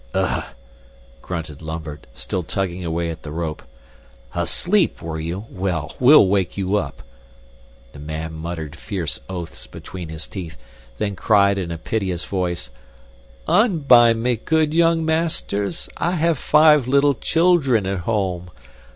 "Ugh!" grunted Lambert, still tugging away at the rope. "Asleep, were you? Well, we'll wake you up." The man muttered fierce oaths between his teeth, then cried in a piteous voice, "Unbind me, good young masters! I have five little children at home.